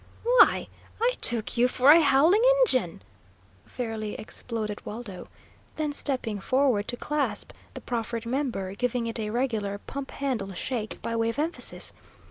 "Why, I took you for a howling Injun!" fairly exploded Waldo, then stepping forward to clasp the proffered member, giving it a regular "pump handle shake" by way of emphasis.